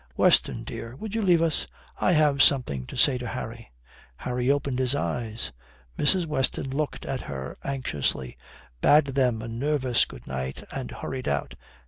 "Weston dear, would you leave us? I have something to say to Harry." Harry opened his eyes. Mrs. Weston looked at her anxiously, bade them a nervous good night, and hurried out.